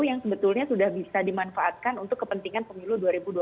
yang sebetulnya sudah bisa dimanfaatkan untuk kepentingan pemilu dua ribu dua puluh